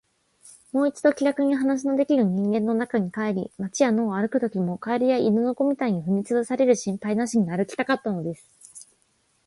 もう一度、気らくに話のできる人間の中に帰り、街や野を歩くときも、蛙や犬の子みたいに踏みつぶされる心配なしに歩きたかったのです。